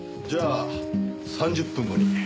じゃあ３０分後に。